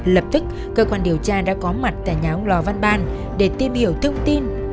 lập tức cơ quan điều tra đã có mặt tại nhà ông lò văn ban để tìm hiểu thông tin